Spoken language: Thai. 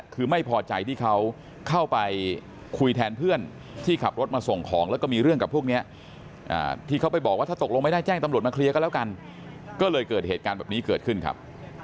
คือไม่พอใจที่เขาเข้าไปคุยแทนเพื่อนที่ขับรถมาส่งของแล้วก็มีเรื่องกับพวกนี้ที่เขาไปบอกว่าถ้าตกลงไม่ได้แจ้งตำรวจมาเคลียร์กันแล้วกันก็เลยเกิดเหตุการณ์แบบนี้เกิดขึ้นครับ